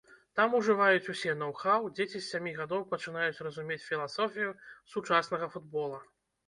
Там ужываюць усе ноў-хаў, дзеці з сямі гадоў пачынаюць разумець філасофію сучаснага футбола.